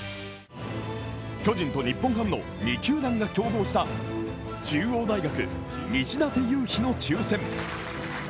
巨人と日本ハムの２球団が競合した中央大学・西舘勇陽の抽選。